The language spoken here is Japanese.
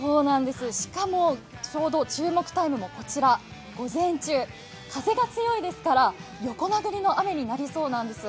しかも注目タイムも午前中、風が強いですから、横殴りの雨になりそうなんです。